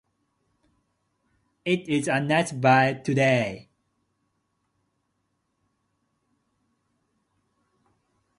It is a nice day today.